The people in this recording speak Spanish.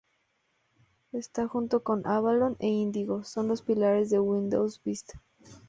Ésta, junto con Avalon e Indigo, son los pilares de Windows Vista.